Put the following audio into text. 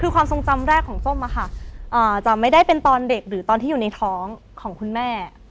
คือความทรงจำแรกของส้มจะไม่ได้เป็นตอนเด็กหรือตอนที่อยู่ในท้องของคุณแม่